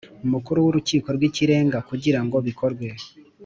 Mukuru w Urukiko rw Ikirenga kugira ngo bikorwe